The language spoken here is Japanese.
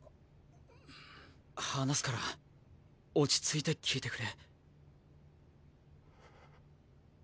話すから落ち着いて聞いてくれ。